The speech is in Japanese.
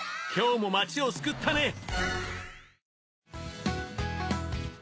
今日も町を救ったね！